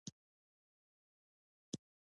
تر ننه د خولې خوند مې ښه دی.